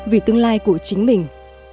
vì tương lai của chính mình